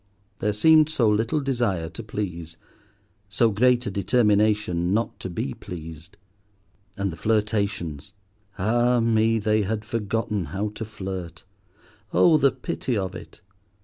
There seemed so little desire to please, so great a determination not to be pleased. And the flirtations! Ah me, they had forgotten how to flirt! Oh, the pity of it!